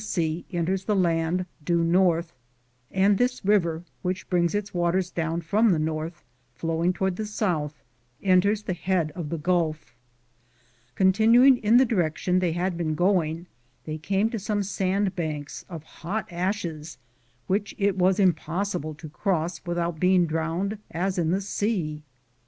ligirized I:, G00gk' THE JOURNEY OP CORONADO enters the land due north and this river, which brings its waters down from the north, flowing toward the south, enters the head of the gull. Continuing in the direction they had been going, they came to some sand banks of hot ashes which it was impossible to cross without being drowned as in the sea.